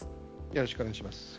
よろしくお願いします。